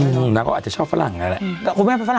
นักเขาก็อาจจะชอบฝรั่งเนี่ยแหละ